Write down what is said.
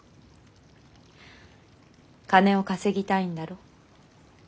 金を稼ぎたいんだろ？